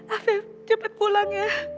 afif cepat pulang ya